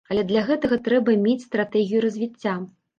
Але для гэтага трэба мець стратэгію развіцця.